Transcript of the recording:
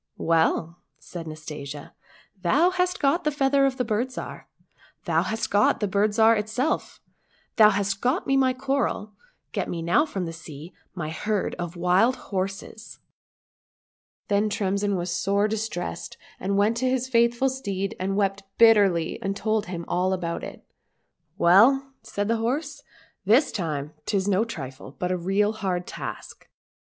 " Well,"lsaidjNastasia, " thou hast got the feather of the Bird Zhar, thou hast got the Bird Zhar itself, thou hast got me my coral, get me now from the sea my herd of wild horses !"— Then Tremsin was sore distressed, and went to his faithful steed and wept bitterly, and told him all about jit. " Well," said the horse, " this time 'tis no trifle, but a real hard task.